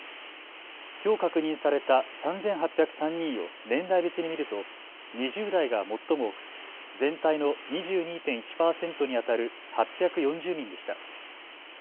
きょう確認された３８０３人を年代別に見ると２０代が最も多く全体の２２．１％にあたる８４０人でした。